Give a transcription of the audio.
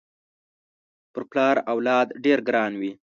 پر پلار اولاد ډېر ګران وي